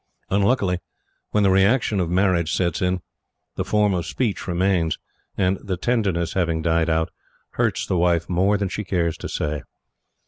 Unluckily, when the reaction of marriage sets in, the form of speech remains, and, the tenderness having died out, hurts the wife more than she cares to say.